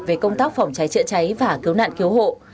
về công tác phòng cháy chữa cháy và cứu nạn cứu hộ